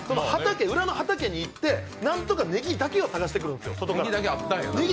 裏の畑に行ってなんとかねぎを探してくるんですよ。